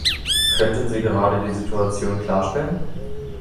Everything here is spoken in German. Könnten Sie gerade die Situation klarstellen?